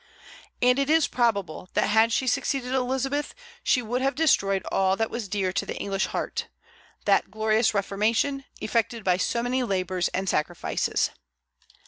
And it is probable that had she succeeded Elizabeth, she would have destroyed all that was dear to the English heart, that glorious Reformation, effected by so many labors and sacrifices.